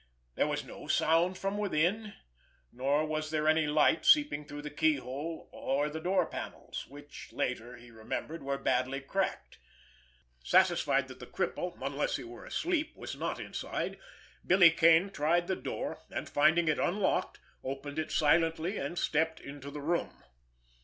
There was no sound from within; nor was there any light seeping through the keyhole or the door panels, which later, he remembered, were badly cracked. Satisfied that the cripple, unless he were asleep, was not inside, Billy Kane tried the door, and, finding it unlocked, opened it silently, and stepped into the room.